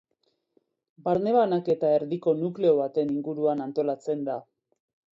Barne-banaketa erdiko nukleo baten inguruan antolatzen da.